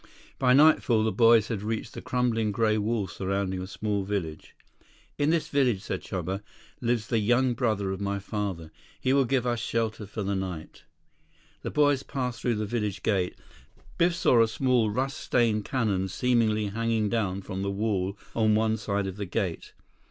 By nightfall the boys had reached the crumbling gray wall surrounding a small village. 94 "In this village," said Chuba, "lives the young brother of my father. He will give us shelter for the night." The boys passed through the village gate. Biff saw a small, rust stained cannon seemingly hanging down from the wall on one side of the gate.